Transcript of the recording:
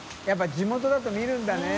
地元だと見るんだね。ねぇ。